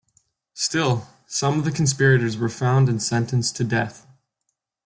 Still, some of the conspirators were found and sentenced to death.